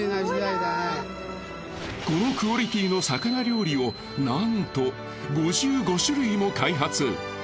このクオリティーの魚料理をなんと５５種類も開発。